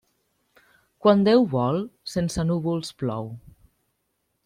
Quan Déu vol, sense núvols plou.